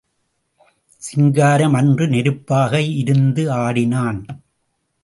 சிங்காரம் அன்று நெருப்பாக இருந்து ஆடினான்.